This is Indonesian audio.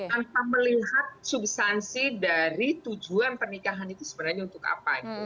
tanpa melihat substansi dari tujuan pernikahan itu sebenarnya untuk apa gitu